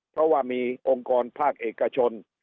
เพราะว่ามีองค์กรภาคเอกชน